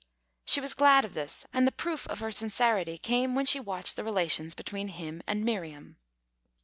She was glad of this, and the proof of her sincerity came when she watched the relations between him and Miriam.